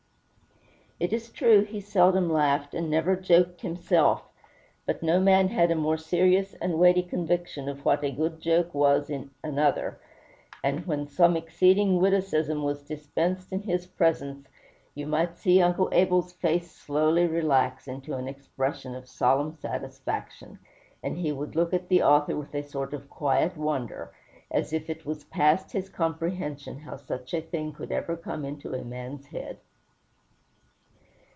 It is true, he seldom laughed, and never joked himself; but no man had a more serious and weighty conviction of what a good joke was in another; and when some exceeding witticism was dispensed in his presence, you might see Uncle Abel's face slowly relax into an expression of solemn satisfaction, and he would look at the author with a sort of quiet wonder, as if it was past his comprehension how such a thing could ever come into a man's head.